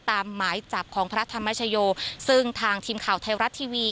หมายจับของพระธรรมชโยซึ่งทางทีมข่าวไทยรัฐทีวี